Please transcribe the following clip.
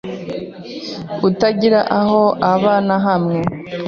utagira aho uba nahamwe